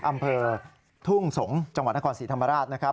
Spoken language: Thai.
อำเภอทุ่งสงศ์จังหวัดนครศรีธรรมราชนะครับ